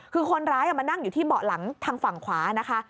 คือคนร้ายมานั่งอยู่ที่เบาะหลังทางฝั่งขวานะคะ